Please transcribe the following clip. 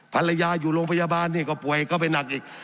ภรรยาอยู่โรงพยาบาลนี่ก็ป่วยเข้าไปหนักอีก